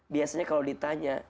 biasanya kalau ditanya